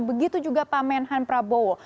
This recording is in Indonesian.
begitu juga pak menhan prabowo